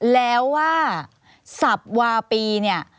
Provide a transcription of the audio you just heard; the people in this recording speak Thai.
แล้วว่าทรัพย์วาปี